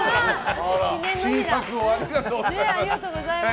新作をありがとうございます。